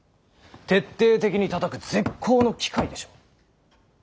徹底的にたたく絶好の機会でしょう。